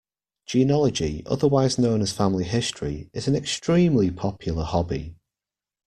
Genealogy, otherwise known as family history, is an extremely popular hobby